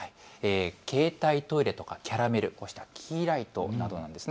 携帯トイレとかキャラメル、そしてキーライトなどです。